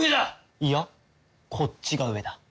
いやこっちが上だ。